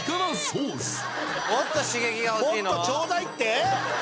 もっとちょうだいって？